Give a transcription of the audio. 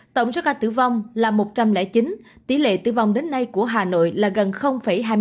tổng số ca tử vong là một trăm linh chín tỷ lệ tử vong đến nay của hà nội là gần hai mươi tám